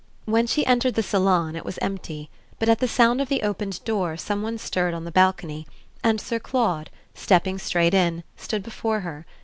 When she entered the salon it was empty, but at the sound of the opened door some one stirred on the balcony, and Sir Claude, stepping straight in, stood before her.